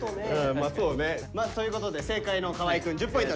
まあそうね。ということで正解の河合くん１０ポイント。